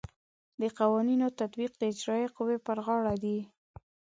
د قوانینو تطبیق د اجرائیه قوې پر غاړه دی.